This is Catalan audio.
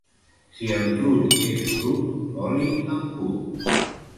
Si el trull és brut, l'oli en put.